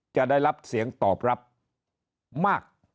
จะได้รับเสียงตอบรับมาก